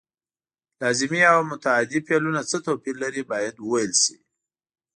لازمي او متعدي فعلونه څه توپیر لري باید وویل شي.